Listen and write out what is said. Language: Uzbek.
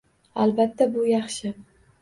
Albatta, bu yaxshi!